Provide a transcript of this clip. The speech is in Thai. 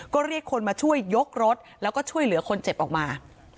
ก็เรียกคนมาช่วยยกรถแล้วก็ช่วยเหลือคนเจ็บออกมา